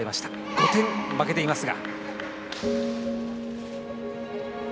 ５点負けていますが。